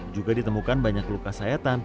juga ditemukan banyak luka sayatan